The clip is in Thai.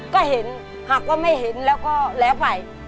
ก็เห็นหากว่าไม่เห็นแล้วก็แล้วไป